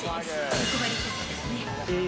欲張りセットですね。